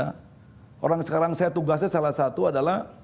karena orang sekarang saya tugasnya salah satu adalah